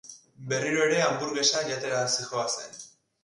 Berriro ere hanburgesa jatera zihoazen.